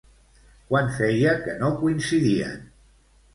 Quant feia que no coincidien?